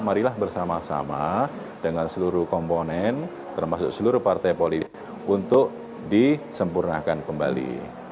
marilah bersama sama dengan seluruh komponen termasuk seluruh partai politik untuk disempurnakan kembali